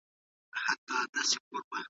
ايا ليکنه ستونزه جوړوي؟